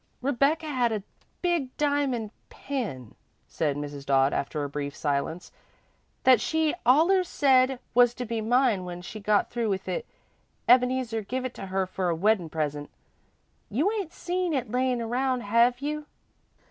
"Rebecca had a big diamond pin," said Mrs. Dodd, after a brief silence, "that she allers said was to be mine when she got through with it. Ebeneezer give it to her for a weddin' present. You ain't seen it layin' around, have you?"